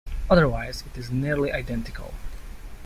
Otherwise it is nearly identical.